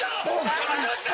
その調子だ！